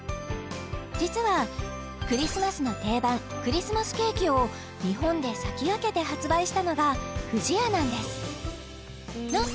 実はクリスマスの定番クリスマスケーキを日本で先駆けて発売したのが不二家なんですなんと